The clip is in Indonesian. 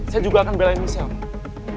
saya juga akan belain michelle